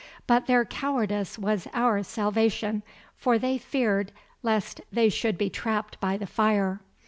But their cowardice was our salvation, for they feared lest they should be trapped by the fire.